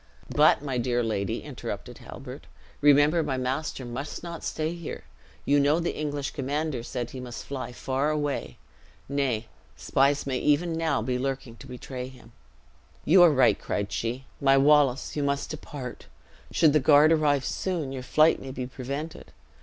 "But my dear lady," interrupted Halbert, "remember my master must not stay here. You know the English commander said he must fly far away. Nay, spies may even now be lurking to betray him." "You are right," cried she. "My Wallace, you must depart. Should the guard arrive soon, your flight may be prevented.